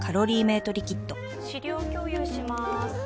・資料共有しまーす